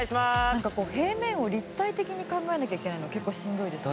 「なんかこう平面を立体的に考えなきゃいけないのが結構しんどいですね」